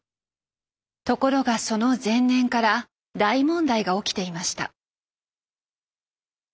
ところがその前年から大問題が起きていました。